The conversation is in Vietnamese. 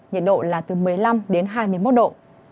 nhiệt độ là từ một mươi năm đến hai mươi một độ